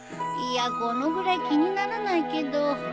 いやこのぐらい気にならないけど。